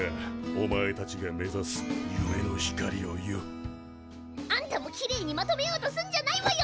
お前たちが目指す夢の光をよ。あんたもきれいにまとめようとすんじゃないわよ！